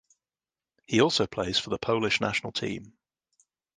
He also plays for the Polish national team.